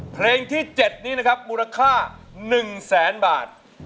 เพลงที่๗นี้นะครับมูลค่า๑แสนบาท